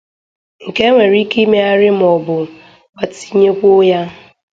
nke e nwere ike imegharị ma ọ bụ gbatịnyekwuo ya